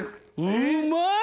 うまい！